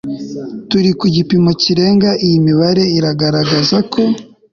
turi ku gipimo kirenga Iyi mibare iragaragaza ko